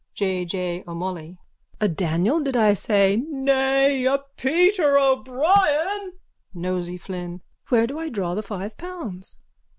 J. J. O'MOLLOY: A Daniel did I say? Nay! A Peter O'Brien! NOSEY FLYNN: Where do I draw the five pounds?